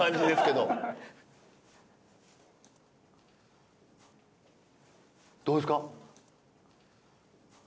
どうですか？